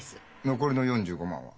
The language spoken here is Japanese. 残りの４５万は？